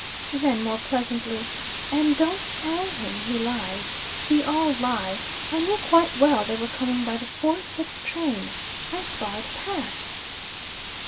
Then more pleasantly, "And don't tell him he lies. We all lie. I knew quite well they were coming by the four six train. I saw it pass."